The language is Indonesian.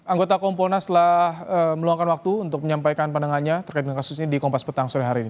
anggota kompolnas telah meluangkan waktu untuk menyampaikan pandangannya terkait dengan kasus ini di kompas petang sore hari ini